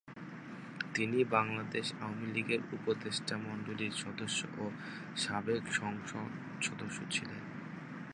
তিনি বাংলাদেশ আওয়ামী লীগের উপদেষ্টা মণ্ডলীর সদস্য ও সাবেক সংসদ সদস্য ছিলেন।